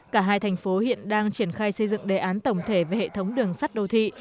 cả hai thành phố hiện đang triển khai xây dựng đề án tổng thể về hệ thống đường sắt đô thị